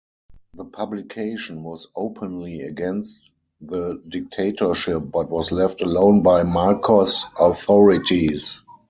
The publication was openly against the dictatorship but was left alone by Marcos' authorities.